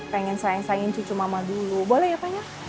pengen sayang sayangin cucu mama dulu boleh ya paknya